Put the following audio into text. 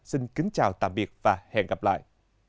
xin kính chào tạm biệt và hẹn gặp lại